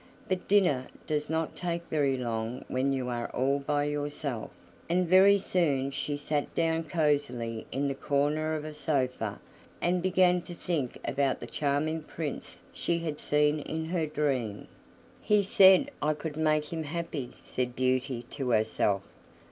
But dinner does not take very long when you are all by yourself, and very soon she sat down cosily in the corner of a sofa, and began to think about the charming Prince she had seen in her dream. "He said I could make him happy," said Beauty to herself.